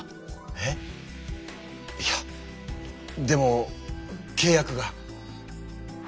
えっ⁉いやでもけい約が。